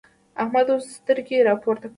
احمد اوس سترګې راپورته کړې.